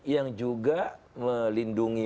yang juga melindungi